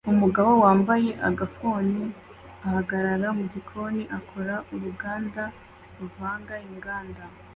Umugabo wambaye agafuni ahagarara mugikoni akora uruganda ruvanga inganda